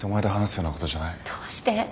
どうして？